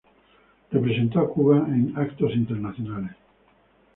Representó a Cuba en eventos internacionales.